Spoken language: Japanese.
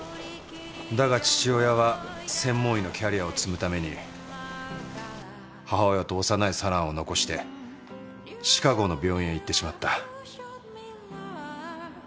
だが父親は専門医のキャリアを積むために母親と幼い四朗を残してシカゴの病院へ行ってしまった。